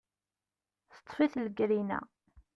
Teṭṭef-it legrina.